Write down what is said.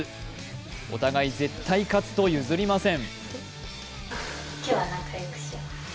お互い、絶対勝つと譲りません。